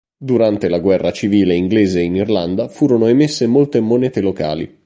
Durante la guerra civile inglese in Irlanda furono emesse molte monete locali.